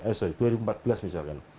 pengalaman dua ribu empat belas misalkan